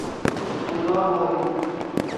Hûn naborînin.